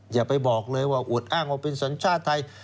อย่าไปบอกเลยว่าอวดอ้างว่าเป็นสัญชาติไทย